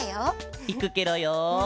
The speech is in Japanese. いくケロよ！